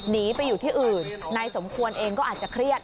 หนีไปอยู่ที่อื่นนายสมควรเองก็อาจจะเครียด